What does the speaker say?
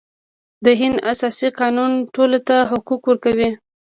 د هند اساسي قانون ټولو ته حقوق ورکوي.